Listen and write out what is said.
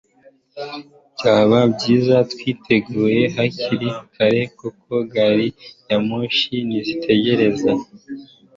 byaba byiza twiteguye hakiri kare kuko gari ya moshi ntizategereza